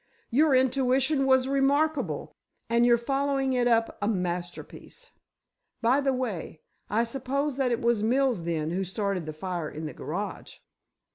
Your intuition was remarkable and your following it up a masterpiece! By the way, I suppose that it was Mills, then, who started the fire in the garage?"